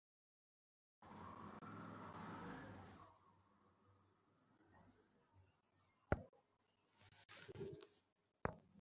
রামাসামি, ওকে বাইরে নিয়ে যাও।